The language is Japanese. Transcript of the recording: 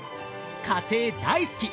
火星大好き